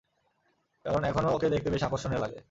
কারণ, এখনও ওকে দেখতে বেশ আকর্ষনীয় লাগে।